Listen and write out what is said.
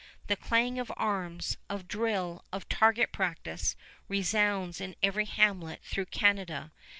The clang of arms, of drill, of target practice, resounds in every hamlet through Canada.